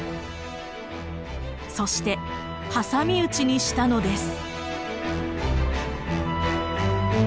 そして挟み撃ちにしたのです。